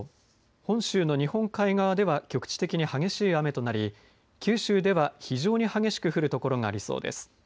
本州の日本海側では局地的に激しい雨となり九州では非常に激しく降る所がありそうです。